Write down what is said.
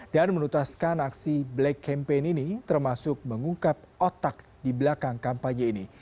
dan menutaskan aksi black campaign ini termasuk mengungkap otak di belakang kampanye ini